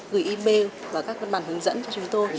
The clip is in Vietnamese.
gửi email và các văn bản hướng dẫn cho chúng tôi